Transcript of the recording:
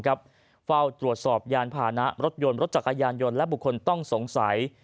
เฝ้าตรวจสอบยานพานะรถยนต์รถจักรยานยนต์และบุคคลต้องสงสัย